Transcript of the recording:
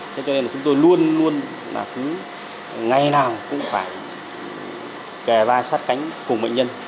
thế cho nên là chúng tôi luôn luôn là cứ ngày nào cũng phải kề vai sát cánh cùng bệnh nhân